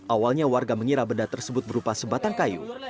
awalnya warga mengira benda tersebut berupa sebatang kayu